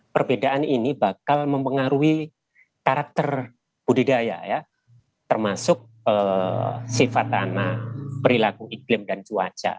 perbedaan ini bakal mempengaruhi karakter budidaya ya termasuk sifat tanah perilaku iklim dan cuaca